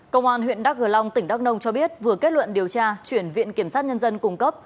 công an huyện đắk gờ long tỉnh đắk nông cho biết vừa kết luận điều tra chuyển viện kiểm sát nhân dân cung cấp